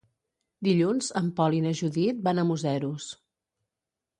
Dilluns en Pol i na Judit van a Museros.